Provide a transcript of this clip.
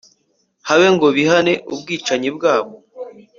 habe ngo bihane ubwicanyi bwabo